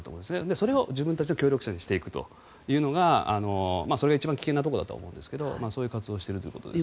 それを自分たちの協力者にしていくというのがそれが一番危険なところだと思いますがそういう活動をしているということです。